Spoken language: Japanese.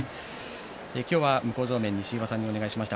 今日は向正面西岩さんにお願いしました。